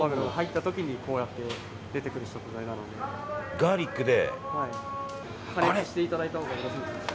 ガーリックで。